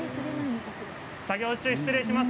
作業中、失礼します。